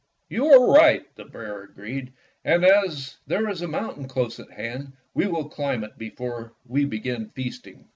''You are right," the bear agreed; "and as there is a mountain close at hand, we will climb it before we begin feasting."